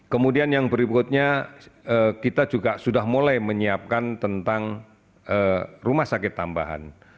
kemudian yang berikutnya kita juga sudah mulai menyiapkan tentang rumah sakit tambahan